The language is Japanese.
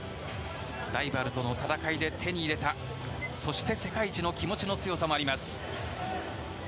ライバルとの戦いで手に入れた、そして世界一の気持ちの強さもあります。